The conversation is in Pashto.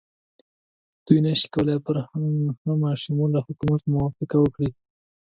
دوی نه شي کولای پر همه شموله حکومت موافقه وکړي.